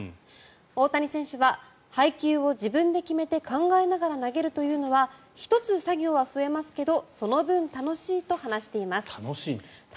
大谷選手は配球を自分で決めて考えながら投げるというのは１つ作業は増えますけど楽しいんですって。